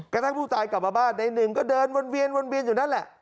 กระทั่งผู้ตายกลับมาบ้านในหนึ่งก็เดินวนเวียนวนเวียนอยู่นั่นแหละ